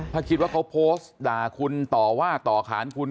ถ้าคิดว่าเขาโพสต์ด่าคุณต่อว่าต่อขานคุณ